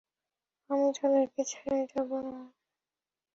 আমি তাদেরকে ছেড়ে যাবো না।